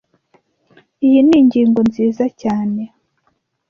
Iyi ni ingingo nziza cyane